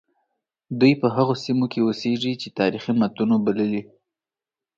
دوی په هغو سیمو کې اوسیږي چې تاریخي متونو بللي.